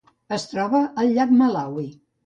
Es troba al llac Malawi.